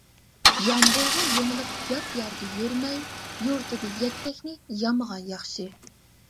يامبۇغا يېڭىلىپ يات يەردە يۈرمەي، يۇرتىدا يەكتەكنى يامىغان ياخشى.